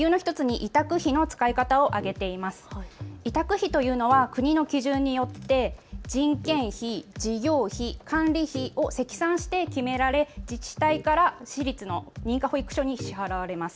委託費というのは国の基準によって人件費、事業費、管理費を積算して決められ自治体から私立の認可保育所に支払われます。